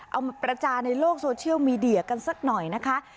มาประจานในโลกโซเชียลมีเดียกันสักหน่อยนะคะ